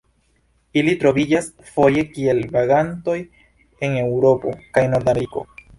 Ili troviĝas foje kiel vagantoj en Eŭropo kaj Nordameriko.